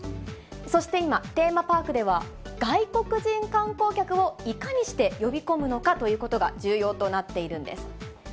そして今、テーマパークでは、外国人観光客をいかにして呼び込むのかということが重要となっているんです。